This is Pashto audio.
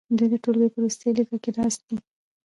دوی د ټوولګي په وروستي لیکه کې ناست دي.